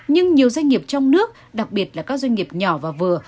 nhưng nhiều doanh nghiệp trong nước đặc biệt là các doanh nghiệp nhỏ và vừa